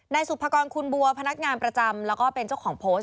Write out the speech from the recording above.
สุภกรคุณบัวพนักงานประจำแล้วก็เป็นเจ้าของโพสต์